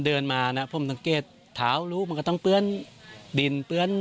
เดินมานะผมสังเกตเท้ารู้มันก็ต้องเปื้อนดินเปื้อน